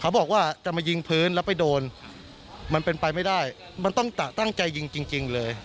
บอกว่าจะมายิงพื้นแล้วไปโดนมันเป็นไปไม่ได้มันต้องตั้งใจยิงจริงเลย